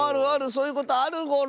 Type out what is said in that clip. そういうことあるゴロ。